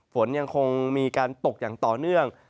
ฝนยังคงมีการตกอย่างต่อเนื่อง